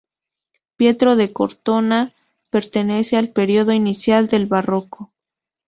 Pietro de Cortona pertenece al período inicial del Barroco.